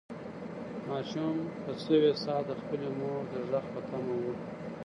ماشوم په سوې ساه د خپلې مور د غږ په تمه و.